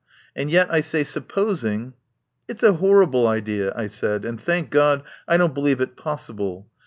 And yet, I say, suppos ing " "It's a horrible idea," I said, "and, thank God, I don't believe it possible.